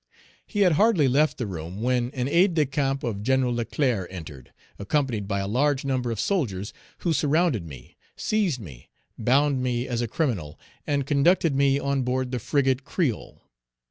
He had hardly left the room when an aide de camp of Gen. Leclerc entered, accompanied by a large number of soldiers, who surrounded me, seized me, bound me as a criminal, and conducted me on board the frigate Créole.